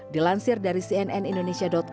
dilansir dari cnn indonesia